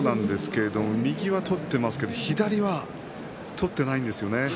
右は取っていますけど左は取っていないんですよね。